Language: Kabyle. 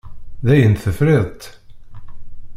Dayen tefriḍ-tt?